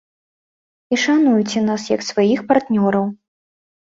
І шануйце нас як сваіх партнёраў.